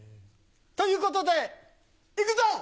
ということでいくぞ！